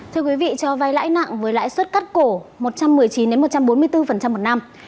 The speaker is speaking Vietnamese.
thưa quý vị cho vay lãi nặng với lãi suất cắt cổ một trăm một mươi chín một trăm bốn mươi bốn một năm